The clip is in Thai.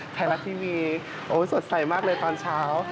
ไทยรัฐทีวีโอ้ยสดใสมากเลยตอนเช้า